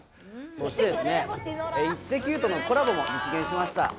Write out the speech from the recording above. そして『イッテＱ！』とのコラボも実現しました。